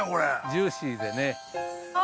ジューシーでね。